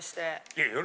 いや。